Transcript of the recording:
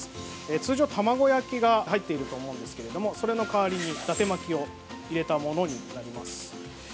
通常、卵焼きが入っていると思うんですけれどそれの代わりにだて巻きを入れたものになります。